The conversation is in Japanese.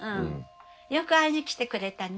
よく会いに来てくれたね。